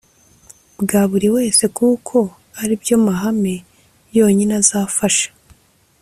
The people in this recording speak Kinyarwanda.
bwa buri wese, kuko ari byo mahame yonyine azafasha